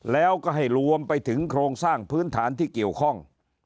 แล้วก็ให้รวมไปถึงโครงสร้างพื้นฐานที่เกี่ยวข้อง